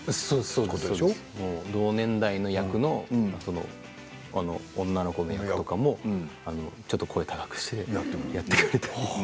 そうです、同年代の役の女の子の役とかもちょっと声高くしてやってくれて。